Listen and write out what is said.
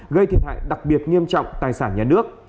gây thiệt hại đặc biệt nghiêm trọng tài sản nhà nước